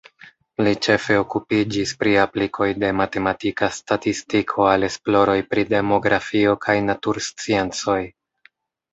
Li ĉefe okupiĝis pri aplikoj de matematika statistiko al esploroj pri demografio kaj natursciencoj.